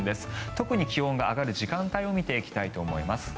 特に気温が上がる時間帯を見ていきたいと思います。